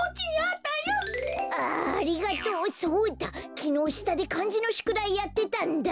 きのうしたでかんじのしゅくだいやってたんだ！